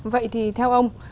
vậy thì theo ông